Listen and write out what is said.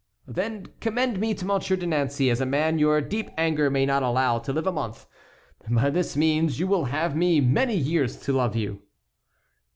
"Then commend me to Monsieur de Nancey as a man your deep anger may not allow to live a month. By this means you will have me many years to love you."